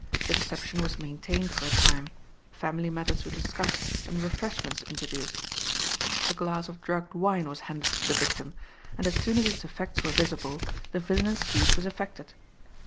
The deception was maintained for a time; family matters were discussed, and refreshments introduced. A glass of drugged wine was handed to the victim, and as soon as its effects were visible the villainous deed was effected.